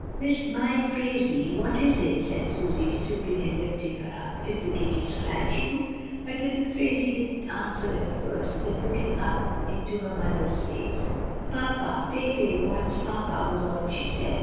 "My Phraisie, what is it?" said Susy, stooping and lifting her up. "Did the kitty scratch you?" but little Phraisie didn't answer at first, then look ing up into her mother's face, "Papa, Fayfay wants papa," was all she said.